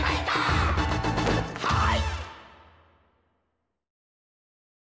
はい！